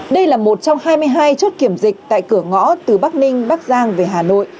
đây là một trong hai mươi hai chốt kiểm dịch tại cửa ngõ từ bắc ninh bắc giang về hà nội